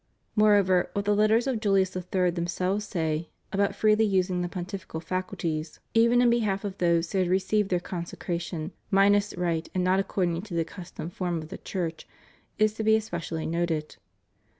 Moreover, what the Letters of Julius IH. themselves say about freely using the Pontifical faculties, 396 ANGLICAN ORDERS. even in behalf of those who had received their consecra tion "minus rite and not according to the accustomed form of the Church," is to be especially noted.